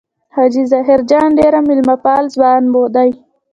حاجي ظاهر جان ډېر مېلمه پال ځوان دی.